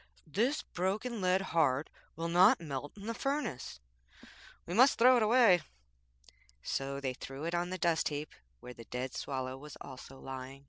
'This broken lead heart will not melt in the furnace. We must throw it away.' So they threw it on a dust heap where the dead Swallow was also lying.